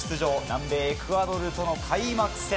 南米エクアドルとの開幕戦。